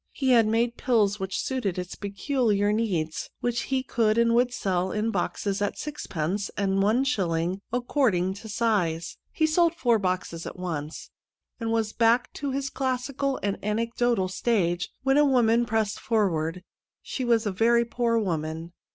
He had made pills which suited its peculiar needs, which he could and would sell in boxes at sixpence and one shilling, according to size. He sold four boxes at once, and was back in his classical and anecdotal stage, when a woman pressed forward. She was a very poor woman.